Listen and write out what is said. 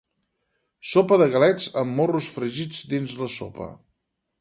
Sopa de galets amb morros fregits dins la sopa